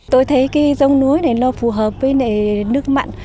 tôi thấy cái giống lúa này nó phù hợp với nước mặn